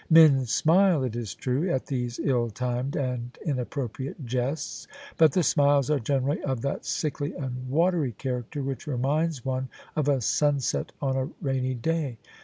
Men smile, it is true, at these ilUtimed and inappropriate jests: but the smQcs are generally of that siddy and watery character which reminds one of a sunset on a rainy day.